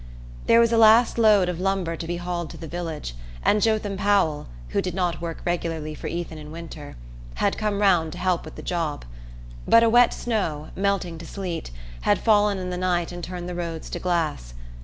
There was a last load of lumber to be hauled to the village, and Jotham Powell who did not work regularly for Ethan in winter had "come round" to help with the job. But a wet snow, melting to sleet, had fallen in the night and turned the roads to glass.